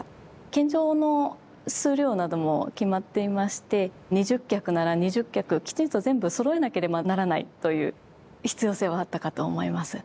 献上の数量なども決まっていまして２０客なら２０客きちんと全部そろえなければならないという必要性はあったかと思います。